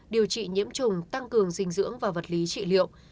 điều trị nhiễm trùng tăng cường dinh dưỡng và vật lý trị liệu